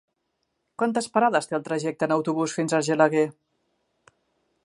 Quantes parades té el trajecte en autobús fins a Argelaguer?